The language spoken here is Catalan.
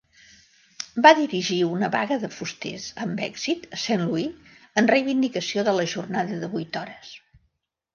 Va dirigir una vaga de fusters amb èxit a Saint Louis en reivindicació de la jornada de vuit hores.